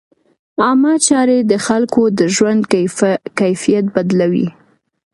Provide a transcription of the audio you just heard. عامه چارې د خلکو د ژوند کیفیت بدلوي.